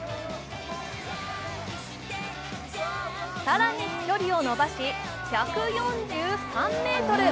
更に飛距離をのばし、１４３ｍ。